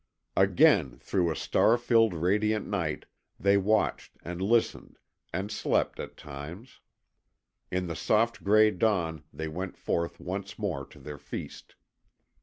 Again through a star filled radiant night they watched and listened, and slept at times. In the soft gray dawn they went forth once more to their feast.